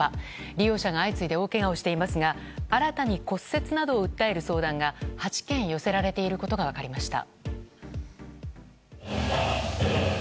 利用者が相次いで大けがをしていますが新たに骨折などを訴える相談が８件寄せられていることが分かりました。